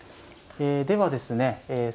ではですね